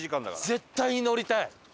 絶対に乗りたい。